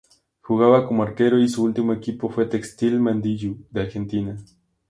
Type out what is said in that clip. Jugaba como arquero y su ultimo equipo fue Textil Mandiyú de Argentina.